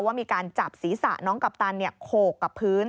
ว่ามีการจับศีรษะน้องกัปตันโขกกับพื้น